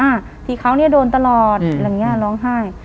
ที่เขาเนี่ยโดนตลอดอะไรอย่างเงี้ยร้องไห้